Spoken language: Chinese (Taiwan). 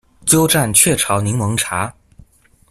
鳩佔鵲巢檸檬茶